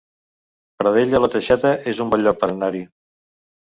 Pradell de la Teixeta es un bon lloc per anar-hi